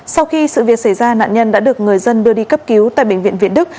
sau khi sự việc xảy ra nạn nhân đã được người dân đưa đi cấp cứu tại bệnh viện việt đức